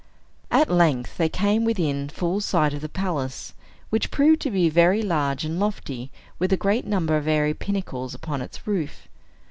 At length they came within full sight of the palace, which proved to be very large and lofty, with a great number of airy pinnacles upon its roof.